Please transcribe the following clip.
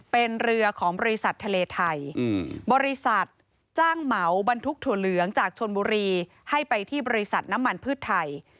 เป็นเรือของบริษัททะเลไทยบริษัทจ้างเหมาบรรทุกถั่วเหลืองจากชนบุรีให้ไปที่บริษัทน้ำมันพืชไทย